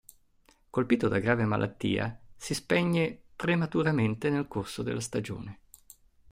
Colpito da grave malattia, si spegne prematuramente nel corso della stagione.